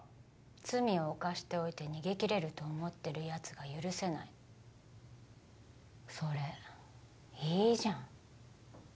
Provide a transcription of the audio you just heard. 罪を犯しておいて逃げきれると思ってるやつが許せないそれいいじゃん